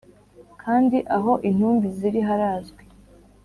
Kandi aho intumbi ziri harazwi